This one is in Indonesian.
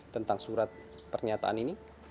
tentang surat pernyataan ini